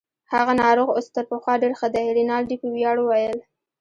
هغه ناروغ اوس تر پخوا ډیر ښه دی. رینالډي په ویاړ وویل.